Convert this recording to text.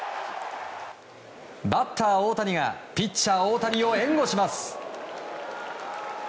バッター大谷がピッチャー大谷を援護します。